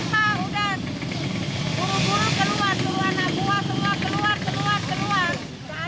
ketimpa udah buru buru keluar keluar keluar keluar keluar keluar